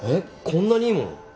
こんなにいいもの。